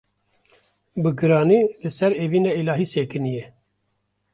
bi giranî li ser evîna îlahî sekinîye.